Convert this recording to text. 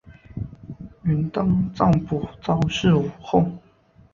允丹藏卜早逝无后。